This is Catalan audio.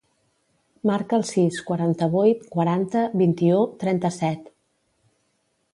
Marca el sis, quaranta-vuit, quaranta, vint-i-u, trenta-set.